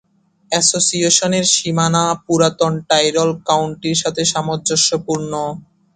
অ্যাসোসিয়েশনের সীমানা পুরাতন টাইরল কাউন্টির সাথে সামঞ্জস্যপূর্ণ।